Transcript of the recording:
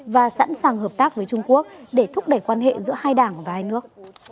và sẵn sàng hợp tác với trung quốc để thúc đẩy quan hệ giữa hai đảng và hai nước